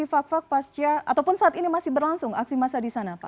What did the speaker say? fak fak pasca ataupun saat ini masih berlangsung aksi massa di sana pak